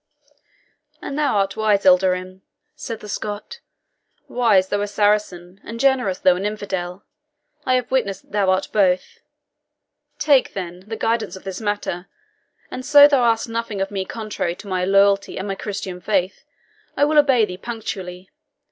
"And thou art wise, Ilderim," said the Scot "wise though a Saracen, and generous though an infidel. I have witnessed that thou art both. Take, then, the guidance of this matter; and so thou ask nothing of me contrary to my loyalty and my Christian faith, I, will obey thee punctually.